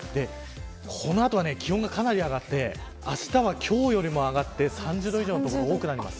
この後は気温がかなり上がってあしたは今日よりも上がって３０度以上の所が多くなります。